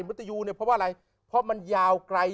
มุตยูเนี่ยเพราะว่าอะไรเพราะมันยาวไกล